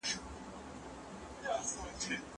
رسول الله او د هغه ملګري د قريشو د سختو شکنجو سره مخ سول.